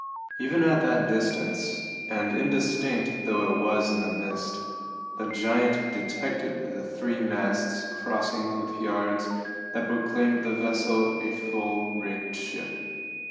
Even at that distance, and indistinct though it was in the mist, the giant detected the three masts crossed with yards that proclaimed the vessel a full rigged ship.